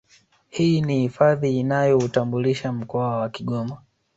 Hii ni hifadhi inayoutambulisha mkoa wa Kigoma